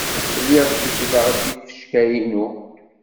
Lliɣ jebbdeɣ-d ifecka-inu.